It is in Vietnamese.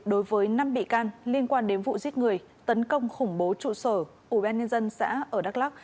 đối với năm bị can liên quan đến vụ giết người tấn công khủng bố trụ sở ubnd xã ở đắk lắc